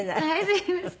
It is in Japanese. すいません。